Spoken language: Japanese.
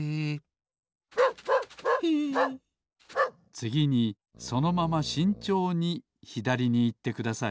つぎにそのまましんちょうにひだりにいってください